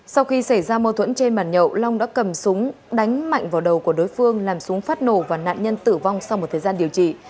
sau khi xảy ra mâu thuẫn trên bàn nhậu long đã cầm súng đánh mạnh vào đầu của đối phương làm súng phát nổ và nạn nhân tử vong sau một thời gian điều trị